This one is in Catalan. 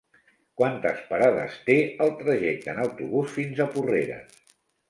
Quantes parades té el trajecte en autobús fins a Porreres?